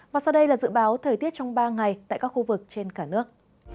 và sau đây là dự báo thời tiết trong ba ngày tại các khu vực trên cả nước